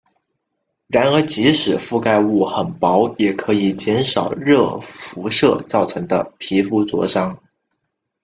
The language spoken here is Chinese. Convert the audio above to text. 然而即使遮盖物很薄也可以减少热辐射造成的皮肤灼伤。